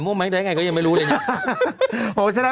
หมดเลยอ่ะอุ้ยไม่หนูเผ้นน่ะ